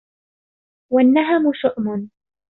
وَالنَّهَمُ شُؤْمٌ